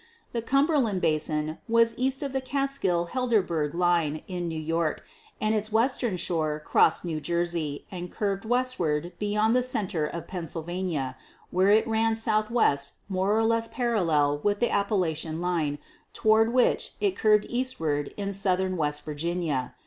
The Cumberland Basin was east of the Catskill Helderberg line in New York and its western shore crossed New Jersey and curved westward beyond the center of Pennsylvania, whence it ran southwest more or less parallel with the Appalachian line, toward whicll it Fig 35 — Primitive Ostracoderm ; Silurian Period. ^Seott.) curved eastward in southern West Virginia.